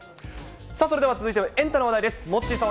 それでは続いてはエンタの話題です。